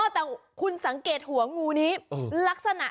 อ้อแต่คุณสังเกตหัวงูนี้ลักษณะจะคล้ายกับพญานาค